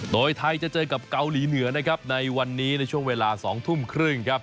โดยไทยจะเจอกับเกาหลีเหนือนะครับในวันนี้ในช่วงเวลา๒ทุ่มครึ่งครับ